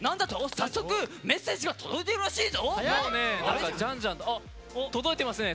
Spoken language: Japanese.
早速メッセージが届いているらしいぞ！